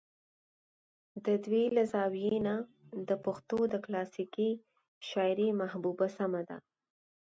د دې له زاويې نه د پښتو د کلاسيکې شاعرۍ محبوبه سمه ده